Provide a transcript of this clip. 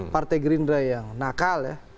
partai gerinda yang nakal